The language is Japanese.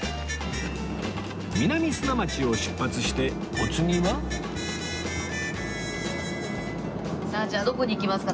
南砂町を出発してお次はさあじゃあどこに行きますか？